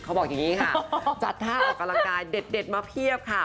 เขาบอกอย่างนี้ค่ะจัดท่าออกกำลังกายเด็ดมาเพียบค่ะ